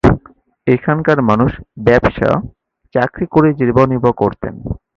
এখানকার মানুষ ব্যবসা, চাকরি করে জীবিকা নির্বাহ করতেন।